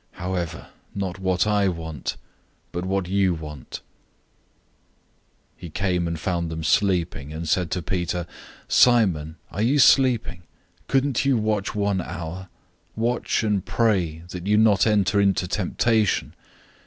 However, not what I desire, but what you desire." 014:037 He came and found them sleeping, and said to Peter, "Simon, are you sleeping? Couldn't you watch one hour? 014:038 Watch and pray, that you may not enter into temptation.